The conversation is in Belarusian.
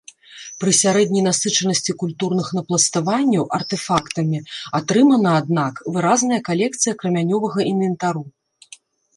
Пры сярэдняй насычанасці культурных напластаванняў артэфактамі атрымана, аднак, выразная калекцыя крамянёвага інвентару.